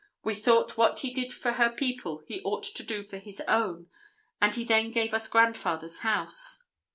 We thought what he did for her people he ought to do for his own and he then gave us grandfather's house.